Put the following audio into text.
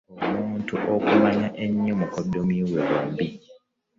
Omuntu okumanya ennyo mukoddomi we bombi.